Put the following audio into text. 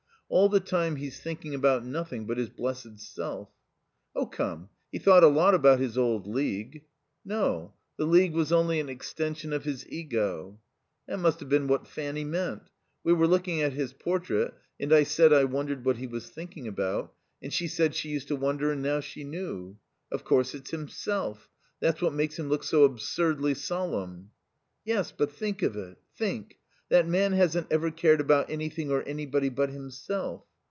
All the time he's thinking about nothing but his blessed self." "Oh, come, he thought a lot about his old League." "No, the League was only an extension of his ego." "That must have been what Fanny meant. We were looking at his portrait and I said I wondered what he was thinking about, and she said she used to wonder and now she knew. Of course, it's Himself. That's what makes him look so absurdly solemn." "Yes, but think of it. Think. That man hasn't ever cared about anything or anybody but himself."